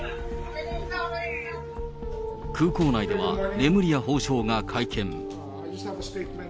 空港内では、レムリヤ法相が会見。